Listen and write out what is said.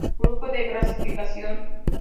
Grupo de clasificación